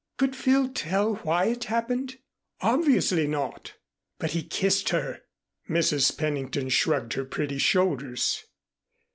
"Could Phil tell why it happened? Obviously not." "But he kissed her " Mrs. Pennington shrugged her pretty shoulders.